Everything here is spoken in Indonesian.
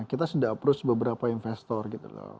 kita sudah approach beberapa investor gitu loh